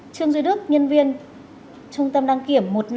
trương duy đức nhân viên trung tâm đăng kiểm một nghìn năm trăm linh năm d